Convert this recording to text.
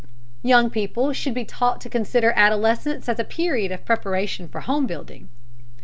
Young people should be taught to consider adolescence as a period of preparation for home building.